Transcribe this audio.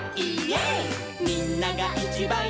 「みんながいちばん」